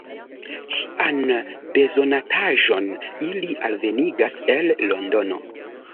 Ĉian bezonataĵon ili alvenigas el Londono.